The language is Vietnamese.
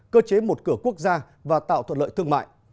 cơ chế một cửa quốc gia và tạo thuận lợi thương mại